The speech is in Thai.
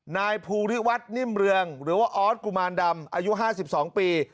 นายภูริวัฒน์นิ่มเรืองหรือว่าออสกุมารดำอายุ๕๒ปี